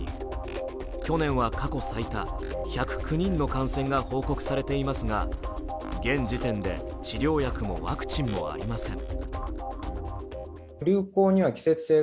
去年は過去最多、１０９人の感染が報告されていますが現時点で治療薬もワクチンもありません。